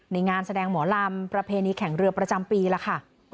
งานแสดงหมอลำประเพณีแข่งเรือประจำปีแล้วค่ะ